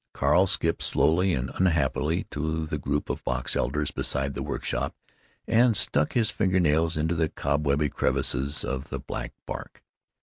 Carl skipped slowly and unhappily to the group of box elders beside the workshop and stuck his finger nails into the cobwebby crevices of the black bark.